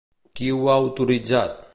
Qui ho ha autoritzat?